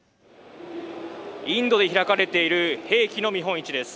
インドで開かれている兵器の見本市です。